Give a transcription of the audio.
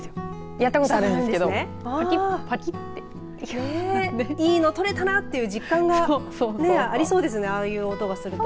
やったことあるんですけどぱきっぱきっていいの取れたなって実感がありそうですねああいう音がすると。